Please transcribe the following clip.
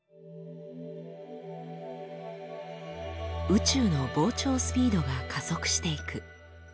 宇宙の膨張スピードが加速していく。